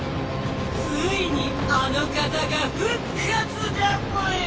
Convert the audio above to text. ついにあの方が復活だぽよ！